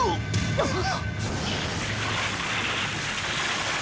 あっ！